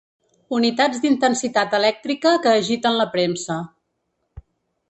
Unitats d'intensitat elèctrica que agiten la premsa.